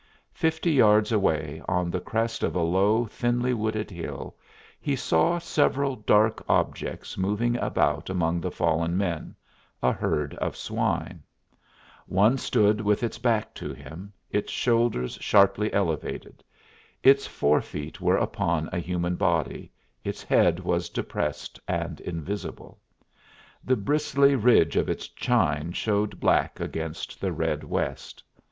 Fifty yards away, on the crest of a low, thinly wooded hill, he saw several dark objects moving about among the fallen men a herd of swine. One stood with its back to him, its shoulders sharply elevated. Its forefeet were upon a human body, its head was depressed and invisible. The bristly ridge of its chine showed black against the red west.